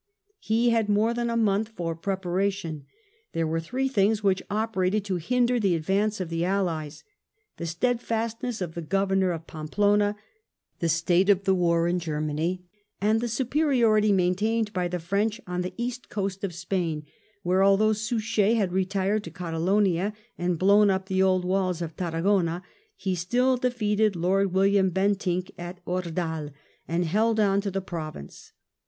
Hehad more than a monthfor preparatioa There were three things which operated to hinder the advance of the Allies — the steadfastness of the Governor of Pampeluna, the state of the war in Germany, and the superiority main tained by the French on the east coast of Spain, where, although Suchet had retired to Catalonia and blown up the old walls of Tarragona^ he still defeated Lord William Bentinck at Ordal, and held on to the province.